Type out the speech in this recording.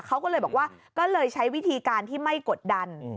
เขาก็เลยบอกว่าก็เลยใช้วิธีการที่ไม่กดดัน